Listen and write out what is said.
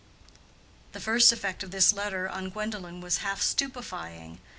The first effect of this letter on Gwendolen was half stupefying.